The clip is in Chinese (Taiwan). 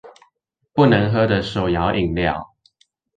不能喝的手搖飲料